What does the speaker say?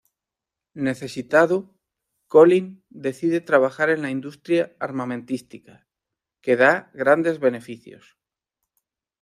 Necesitado, Colin decide trabajar en la industria armamentística, que da grandes beneficios.